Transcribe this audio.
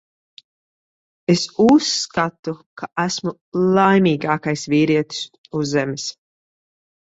Es uzskatu, ka esmu laimīgākais vīrietis uz Zemes.